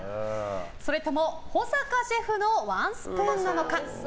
それとも保坂シェフのワンスプーンなのか。